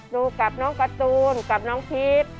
ดูกับน้องการ์ตูนกับน้องพีช